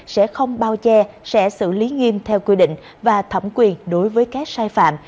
sẽ không bao che sẽ xử lý nghiêm theo quy định và thẩm quyền đối với các sai phạm